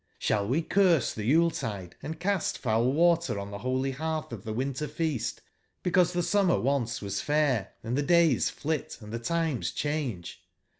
Sball we curse tbcYuletide, and cast foul water on tbe Roly Reartb of tbe winter feast, because tbe summer once was fair and tbedays flit & tbe times cbange?